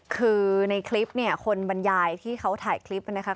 คือในคลิปเนี่ยคนบรรยายที่เขาถ่ายคลิปนะครับ